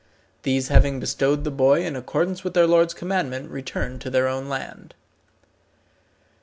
These having bestowed the boy in accordance with their lord's commandment, returned to their own land.